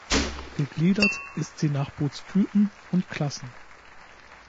Gegliedert ist sie nach Bootstypen und -klassen.